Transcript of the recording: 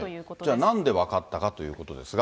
じゃあ、なんで分かったかということですが。